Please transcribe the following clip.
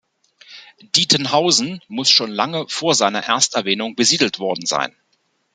Dietenhausen muss schon lange vor seiner Ersterwähnung besiedelt worden sein.